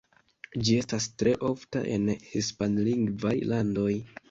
Ĝi estas tre ofta en hispanlingvaj landoj.